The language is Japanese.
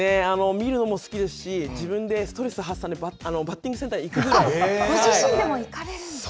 見るのも好きですし、自分でストレス発散でバッティングセンターに行くぐらご自身も行かれるんですか。